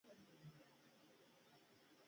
دا ورته والی په خصوصي مالکیت کې دی.